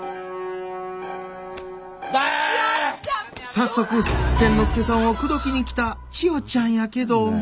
早速千之助さんを口説きに来た千代ちゃんやけど。